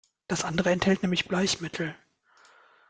Das andere enthält nämlich Bleichmittel.